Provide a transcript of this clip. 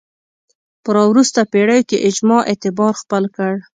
په راوروسته پېړیو کې اجماع اعتبار خپل کړ